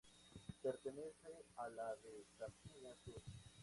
Pertenece a la de Campiña Sur.